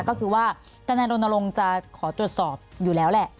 ก็คือว่าตั้งแต่โดนโดรงจะขอตรวจสอบอยู่แล้วแหละ